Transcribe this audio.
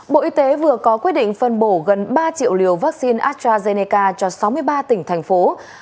bộ y tế vừa có quyết định phân bổ gần ba triệu liều vaccine astrazeneca cho sáu mươi ba tỉnh thành phố